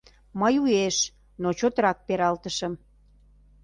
Мый уэш, но чотрак пералтышым.